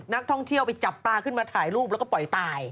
นักท่องเที่ยวไปจับปลาขึ้นมาถ่ายรูปแล้วก็ปล่อยตาย